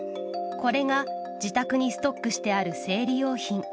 これが、自宅にストックしてある生理用品。